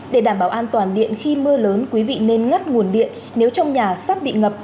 để đảm bảo an toàn điện khi mưa lớn quý vị nên ngất nguồn điện nếu trong nhà sắp bị ngập